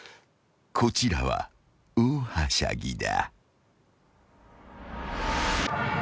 ［こちらは大はしゃぎだ］